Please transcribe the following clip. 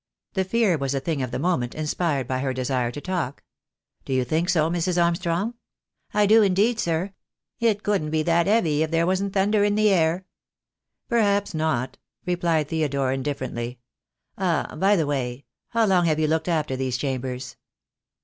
The fear was a thing of the moment, inspired by her desire to talk. "Do you think so, Mrs. Armstrong?" "I do, indeed, sir. It couldn't be that 'eavy if there wasn't thunder in the air." "Perhaps not," replied Theodore, indifferently. "Ah! by the way, how long have you looked after these chambers?"